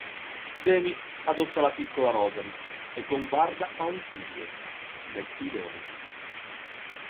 Demy adotta la piccola Rosalie e con Varda ha un figlio, Mathieu Demy.